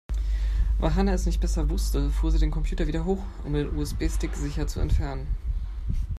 Weil Hanna es nicht besser wusste, fuhr sie den Computer wieder hoch, um den USB-Stick sicher zu entfernen.